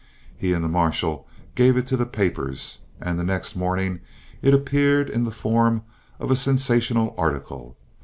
He and the marshal gave it to the papers, and the next morning it appeared in the form of a sensational article.